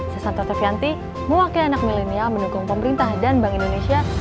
saya santota fianti mewakili anak milenial mendukung pemerintah dan bank indonesia